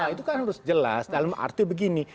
itu kan harus jelas dalam arti begini